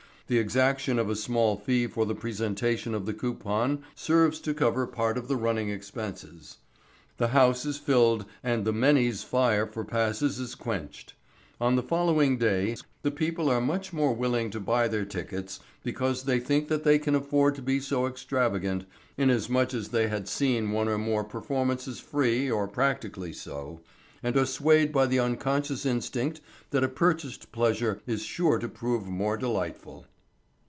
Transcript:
The exaction of a small fee on the presentation of the coupon serves to cover part of the running expenses; the house is filled and the many's fire for passes is quenched. On the following days the people are much more willing to buy their tickets because they think that they can afford to be so extravagant, inasmuch as they had seen one or more performances free or practically so, and are swayed by the unconscious instinct that a purchased pleasure is sure to prove more delightful.